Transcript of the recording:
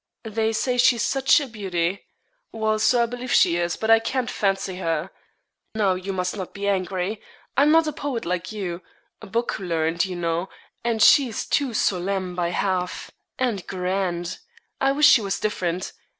'They say she's such a beauty! Well, so I believe she is, but I can't fancy her. Now you must not be angry. I'm not a poet like you book learned, you know; and she's too solemn by half, and grand. I wish she was different.